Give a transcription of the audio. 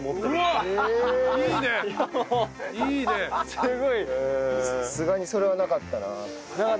さすがにそれはなかったなあ。